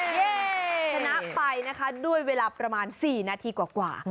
เฉชนะไปนะคะด้วยเวลาประมาณ๔นาทีกว่า